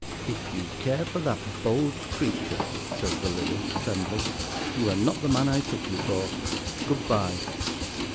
"If you care for that bold creature," says the Lily, trembling, "you are not the man I took you for. Good bye."